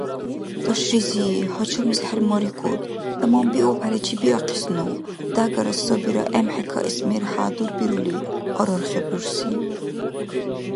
– ТӀашризи, гьачамлис хӀермарикӀуд, таманбиубхӀели чебиахъисну, – дягара сабира эмхӀе каэс мер хӀядурбирули, – арархиб рурси.